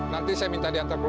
nanti saya minta diantar dulu